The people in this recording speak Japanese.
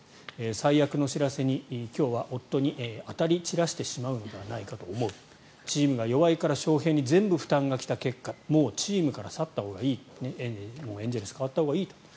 最悪の知らせに、今日は夫に当たり散らしてしまうと思うチームが弱いからショウヘイに全部負担が来た結果もうチームから去ったほうがいいエンゼルス変わったほうがいいと。